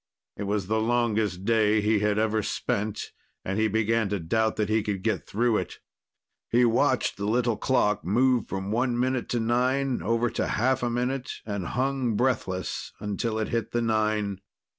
It was the longest day he had ever spent, and he began to doubt that he could get through it. He watched the little clock move from one minute to nine over to half a minute and hung breathless until it hit the nine.